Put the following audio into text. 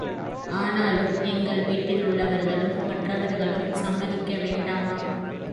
ஆனாலும் எங்கள் வீட்டிலுள்ளவர்களும் மற்றவர்களும் சம்மதிக்க வேண்டாமா?